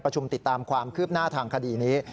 ติดตามความคืบหน้าทางคดีนี้